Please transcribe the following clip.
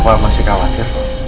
papa masih khawatir